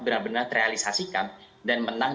benar benar terrealisasikan dan menang